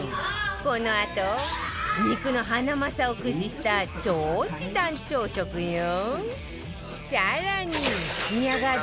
このあと肉のハナマサを駆使した超時短朝食よ。